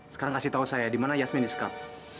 sekarang kasih tahu saya di mana yasmin is cup